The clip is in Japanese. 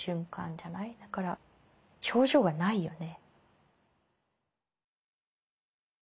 だから表情がないよね。